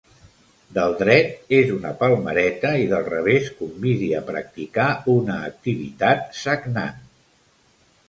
Del dret és una palmereta i del revés convidi a practicar una activitat sagnant.